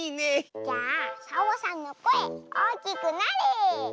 じゃあサボさんのこえおおきくなれ！